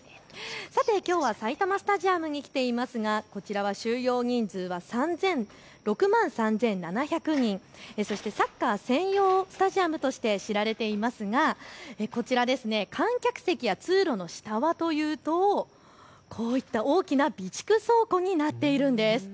さて、きょうは埼玉スタジアムに来ていますがこちらは収容人数は６万３７００人、そしてサッカー専用スタジアムとして知られていますが、こちら観客席や通路の下はというとこういった大きな備蓄倉庫になっているんです。